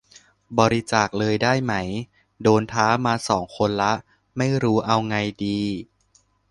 บริจาคเลยได้ไหม โดนท้ามาสองคนละ ไม่รู้เอาไงดี